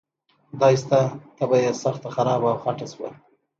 خدای شته طبعه یې سخته خرابه او خټه شوه.